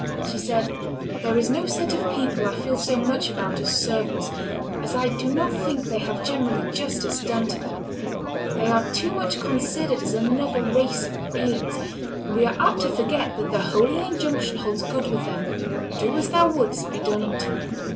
She said, "There is no set of people I feel so much about as servants, as I do not think they have generally justice done to them; they are too much considered as another race of beings, and we are apt to forget that the holy injunction holds good with them, 'Do as thou wouldst be done unto.'"